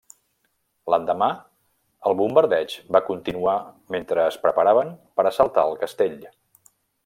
L'endemà, el bombardeig va continuar mentre es preparaven per assaltar el castell.